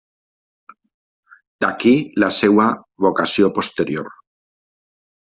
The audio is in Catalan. D'aquí la seva vocació posterior.